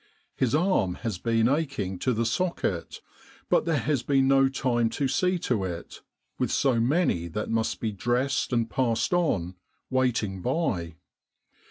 His arm has been aching to the socket, but there has been no time to see to it, with so many that must be dressed and passed on, waiting by.